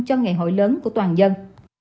cho ngày hội lớn của toàn dân